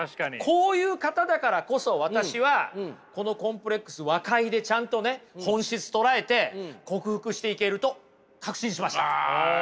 こういう方だからこそ私はこのコンプレックス和解でちゃんとね本質捉えてあよかったよかった。